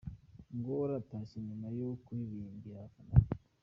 Nguwo aratashye nyuma yo kuririmbira abafana be.